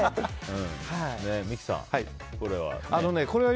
三木さん、これは。